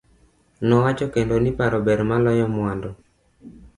Nowacho kendo ni paro ber maloyo mwandu.